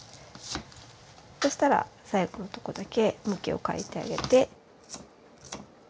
そうしたら最後のとこだけ向きを変えてあげて。